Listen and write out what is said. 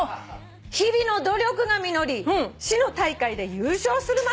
「日々の努力が実り市の大会で優勝するまでになりました」